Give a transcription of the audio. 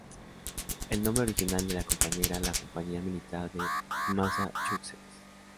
El nombre original de la Compañía era "La Compañía Militar de Massachusetts".